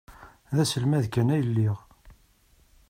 D aselmad kan ay lliɣ.